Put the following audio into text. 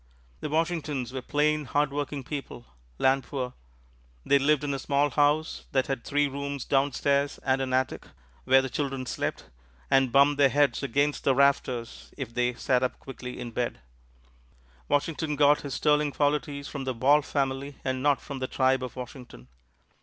The Washingtons were plain, hard working people land poor. They lived in a small house that had three rooms downstairs and an attic, where the children slept, and bumped their heads against the rafters if they sat up quickly in bed. Washington got his sterling qualities from the Ball family, and not from the tribe of Washington.